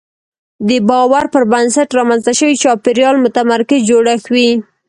د باور پر بنسټ رامنځته شوی چاپېریال متمرکز جوړښت وي.